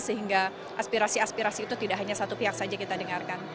sehingga aspirasi aspirasi itu tidak hanya satu pihak saja kita dengarkan